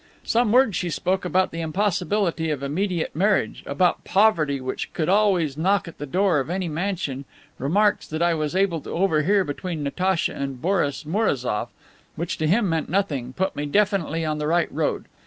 "Some words she spoke about the impossibility of immediate marriage, about poverty which could always knock at the door of any mansion, remarks that I was able to overhear between Natacha and Boris Mourazoff, which to him meant nothing, put me definitely on the right road.